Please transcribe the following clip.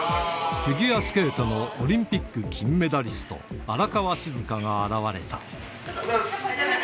フィギュアスケートのオリンピック金メダリスト、荒川静香が現れた。